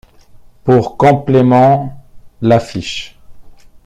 Pour complément l’affiche.